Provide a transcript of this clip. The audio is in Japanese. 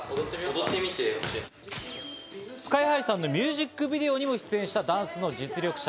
ＳＫＹ−ＨＩさんのミュージックビデオにも出演したダンスの実力者。